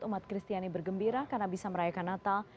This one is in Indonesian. umat kristiani bergembira karena bisa merayakan natal